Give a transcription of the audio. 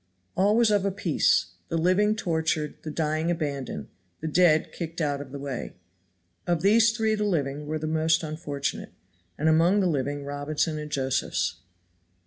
All was of a piece. The living tortured; the dying abandoned; the dead kicked out of the way. Of these three the living were the most unfortunate, and among the living Robinson and Josephs.